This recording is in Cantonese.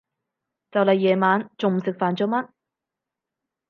就嚟夜晚，仲唔食飯做乜？